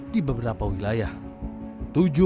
dibandingkan dengan kemarau kering